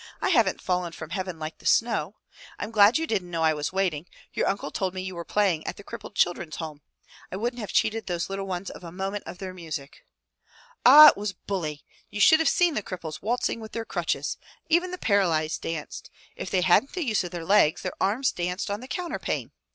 "I haven't fallen from heaven like the snow. I'm glad you didn't know I was waiting. Your uncle told me you were playing at the Crippled Children's Home. I wouldn't have cheated those little ones of a moment of your music." "Ah ! it was bully ! You should have seen the cripples waltzing with their crutches ! Even the paralyzed danced. If they hadn't the use of their legs, their arms danced on the counterpane!